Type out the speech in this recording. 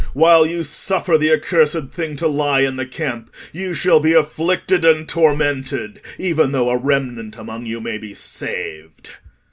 while you suffer the accursed thing to lie in the camp you shall be afflicted and tormented, even though a remnant among you may be saved."